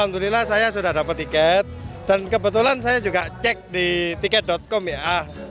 alhamdulillah saya sudah dapat tiket dan kebetulan saya juga cek di tiket com ya